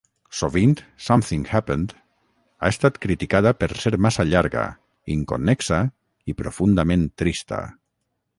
Sovint, "Something Happened" ha estat criticada per ser massa llarga, inconnexa i profundament trista.